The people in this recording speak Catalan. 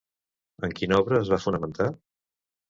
En quina obra es va fonamentar?